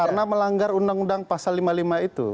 karena melanggar undang undang pasal lima puluh lima itu